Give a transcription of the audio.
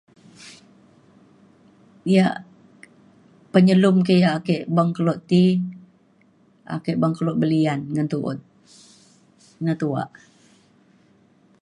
yak penyelum ke yak ake beng kelo ti ake beng kelo belian ngan tu’ut na tuak.